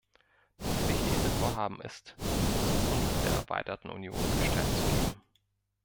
Das wichtigste Vorhaben ist, der Zukunft der erweiterten Union Gestalt zu geben.